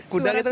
kuda gitu kan